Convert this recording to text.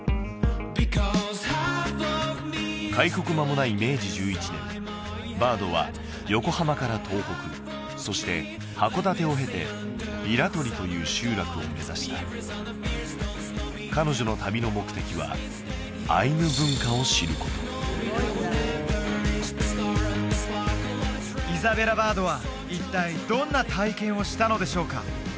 開国まもない明治１１年バードは横浜から東北そして函館を経て平取という集落を目指した彼女の旅の目的はアイヌ文化を知ることイザベラ・バードは一体どんな体験をしたのでしょうか？